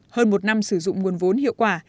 hơn một năm sử dụng nguồn vốn hiệu quả